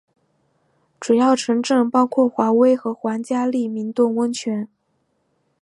主要城镇包括华威和皇家利明顿温泉。